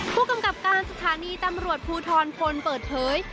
ผู้กำกับการสถานีตำรวจภูทรพลเปิดเผย